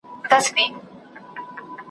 پر مزلونو د کرې ورځي پښېمان سو `